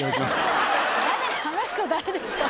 あの人誰ですか？